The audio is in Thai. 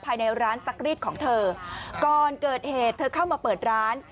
ภายในร้านซักรีดของเธอก่อนเกิดเหตุเธอเข้ามาเปิดร้าน